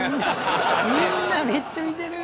みんなめっちゃ見てる。